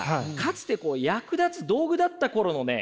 かつてこう役立つ道具だった頃のね